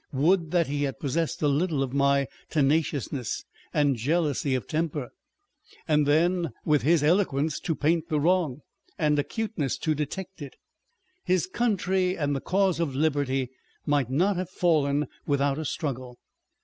Would that he had possessed a little of my tenaciousness and jealousy of temper ; and then, with his eloquence to paint the wrong, and acuteness to detect it, his country and the cause of liberty might not have fallen without a struggle